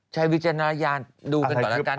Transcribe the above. วิจารณญาณดูกันก่อนแล้วกัน